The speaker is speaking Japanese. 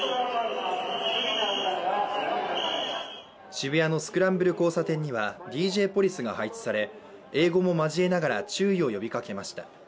渋谷のスクランブル交差点にはＤＪポリスが配置され英語も交えながら注意を呼びかけました。